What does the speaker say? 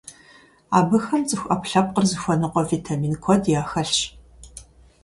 Абыхэм цӀыху Ӏэпкълъэпкъыр зыхуэныкъуэ витамин куэд яхэлъщ.